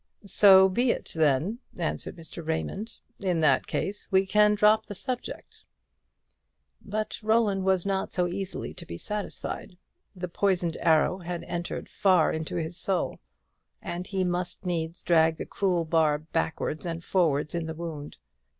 "So be it, then," answered Mr. Raymond. "In that case we can drop the subject." But Roland was not so easily to be satisfied. The poisoned arrow had entered far into his soul, and he must needs drag the cruel barb backwards and forwards in the wound.